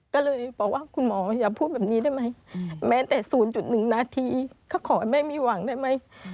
จุดหนึ่งนาทีเขาขอให้แม่มีหวังได้ไหม